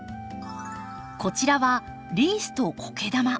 こちらはリースとコケ玉。